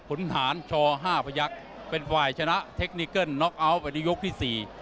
ขุนหานชอห้าพยักษ์เป็นฝ่ายชนะเท็กเนคเกิ้ลนอกอาว์ตวันยกที่สี่